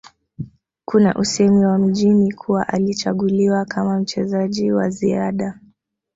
Kuna usemi wa mjini kuwa alichaguliwa kama mchezaji wa ziada